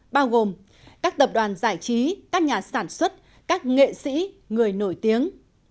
bao gồm các tập đoàn giải trí các nhà sản xuất các nghệ sĩ người nổi tiếng